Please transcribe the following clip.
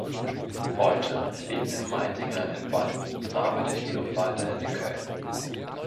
Heute lebt Meitinger in Bonn, arbeitet jedoch weiterhin in Köln.